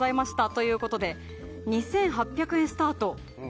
ということで２８００円スタート。